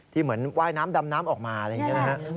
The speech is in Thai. เหมือนว่ายน้ำดำน้ำออกมาอะไรอย่างนี้นะฮะ